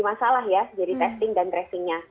masalah ya jadi testing dan tracingnya